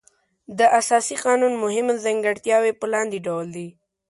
د اساسي قانون مهمې ځانګړنې په لاندې ډول دي.